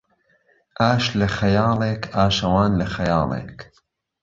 ئاش له خهیاڵێک ، ئاشهوان له خهیاڵێک